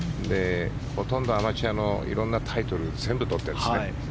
ほとんどアマチュアの色んなタイトルを全部取ってるんですね。